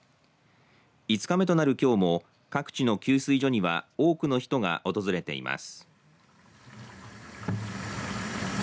５日目となる、きょうも各地の給水所には多くの人が訪れています。